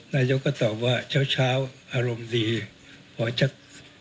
นายกก็ตอบว่าเช้าเช้าอารมณ์ดีพอจะ